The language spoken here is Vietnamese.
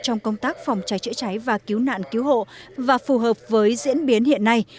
trong công tác phòng cháy chữa cháy và cứu nạn cứu hộ và phù hợp với diễn biến hiện nay